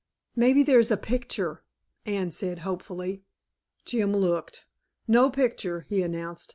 "Maybe there's a picture!" Anne said hopefully. Jim looked. "No picture," he announced.